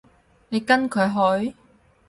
你跟佢去？